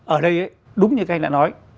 ở đây đúng như các anh đã nói